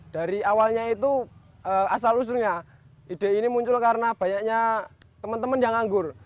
dari awalnya itu asal usulnya ide ini muncul karena banyaknya teman teman yang nganggur